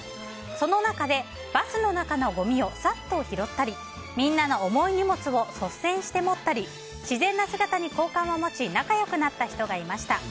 その中で、バスの中のごみをさっと拾ったりみんなの重い荷物を率先して持ったり自然な姿に好感を持ち仲良くなった人がいました。